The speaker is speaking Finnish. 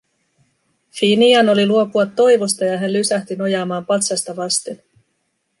Finian oli luopua toivosta ja hän lysähti nojaamaan patsasta vasten.